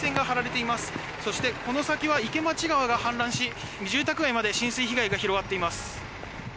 そしてこの先は池町川が氾濫し住宅街まで浸水被害が広がっています。